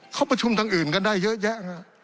เขาประชุมทางอื่นกันได้เยอะแยะ